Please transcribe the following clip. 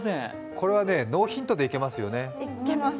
これはね、ノーヒントでいけますよね。